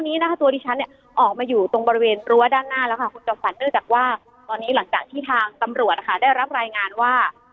เนื่องจากว่าตอนนี้หลังจากที่ทางตำรวจนะคะได้รับรายงานว่า